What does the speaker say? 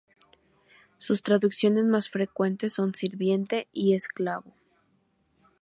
Sus traducciones más frecuentes son "sirviente" y "esclavo".